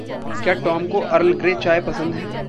क्या टॉम को Earl Grey चाय पसंद है?